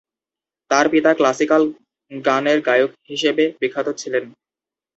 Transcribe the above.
তার পিতা ক্লাসিক্যাল গানের গায়ক হিসেবে বিখ্যাত ছিলেন।